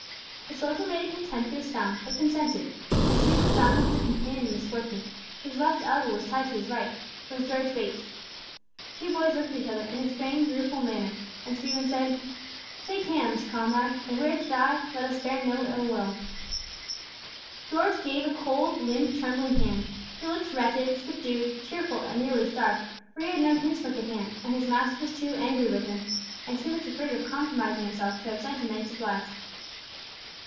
The soldier made a contemptuous sound, but consented, and Stephen found that his companion in misfortune, whose left elbow was tied to his right was George Bates. The two lads looked at each other in a strange, rueful manner, and Stephen said, "Shake hands, comrade. If we are to die, let us bear no ill will." George gave a cold, limp, trembling hand. He looked wretched, subdued, tearful, and nearly starved, for he had no kinsfolk at hand, and his master was too angry with him, and too much afraid of compromising himself, to have sent him any supplies.